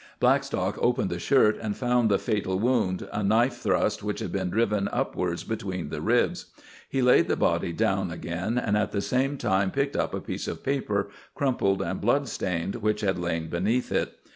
Blackstock opened the shirt, and found the fatal wound, a knife thrust which had been driven upwards between the ribs. He laid the body down again, and at the same time picked up a piece of paper, crumpled and blood stained, which had lain beneath it.